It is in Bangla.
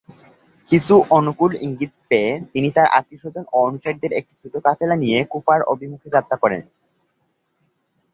কিছু অনুকূল ইঙ্গিত পেয়ে তিনি তাঁর আত্মীয়স্বজন ও অনুসারীদের একটি ছোট কাফেলা নিয়ে কুফার অভিমুখে যাত্রা করেন।